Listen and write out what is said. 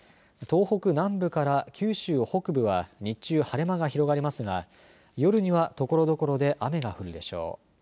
東北南部から九州北部は日中、晴れ間が広がりますが夜には、ところどころで雨が降るでしょう。